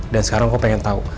dan sekarang gue pengen tau